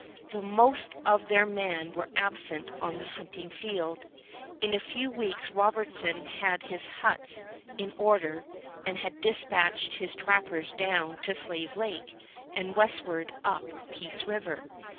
The most of their men were absent on the hunting field. In a few weeks Robertson had his huts in order and had dispatched his trappers down to Slave Lake and westward up Peace River.